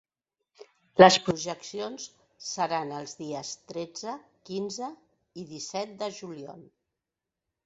Les projeccions seran els dies tretze, quinze i disset de juliol.